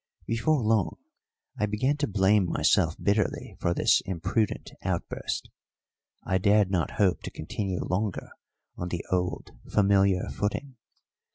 Before long I began to blame myself bitterly for this imprudent outburst. I dared not hope to continue longer on the old familiar footing.